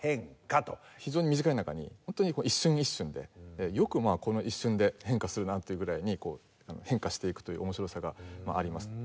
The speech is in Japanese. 非常に短い中にホントにこう一瞬一瞬でよくまあこの一瞬で変化するなというぐらいに変化していくという面白さがあります。